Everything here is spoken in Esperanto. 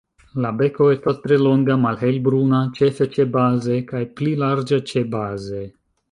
La beko estas tre longa, malhelbruna -ĉefe ĉebaze- kaj pli larĝa ĉebaze.